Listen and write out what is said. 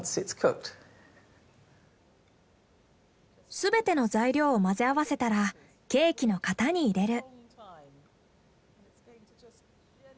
全ての材料を混ぜ合わせたらケーキの型に入れる。